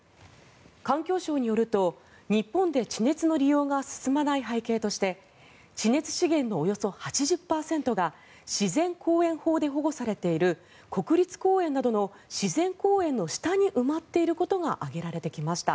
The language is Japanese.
環境省によると日本で地熱の利用が進まない背景として地熱資源のおよそ８０％が自然公園法で保護されている国立公園などの自然公園の下に埋まっていることが挙げられてきました。